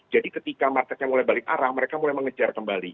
jadi ketika marketnya mulai balik arah mereka mulai mengejar kembali